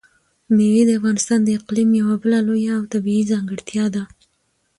مېوې د افغانستان د اقلیم یوه بله لویه او طبیعي ځانګړتیا ده.